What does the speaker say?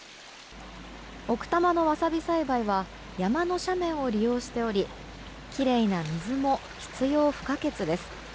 奥多摩のわさび栽培は山の斜面を利用しておりきれいな水も必要不可欠です。